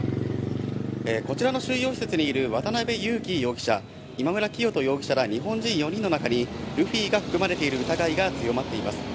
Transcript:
こちらの収容施設にいる渡辺優樹容疑者、今村磨人容疑者ら日本人４人の中に、ルフィが含まれている疑いが強まっています。